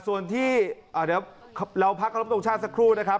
ส่วนที่เราพักธรรมตรงชาติสักครู่นะครับ